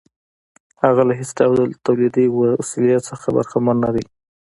هغه له هېڅ ډول تولیدي وسیلې څخه برخمن نه دی